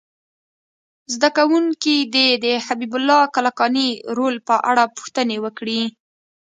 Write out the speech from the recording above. زده کوونکي دې د حبیب الله کلکاني رول په اړه پوښتنې وکړي.